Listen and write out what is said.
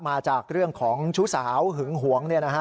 มาจากเรื่องของชู้สาวหึงหวง